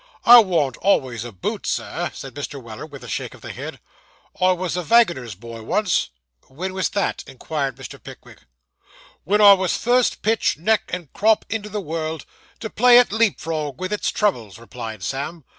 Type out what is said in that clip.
'I worn't always a boots, sir,' said Mr. Weller, with a shake of the head. 'I wos a vaginer's boy, once.' 'When was that?' inquired Mr. Pickwick. 'When I wos first pitched neck and crop into the world, to play at leap frog with its troubles,' replied Sam.